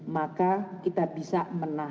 maka kita bisa memperbaiki